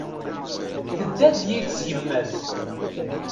Tedda-d yid-s yemma-s.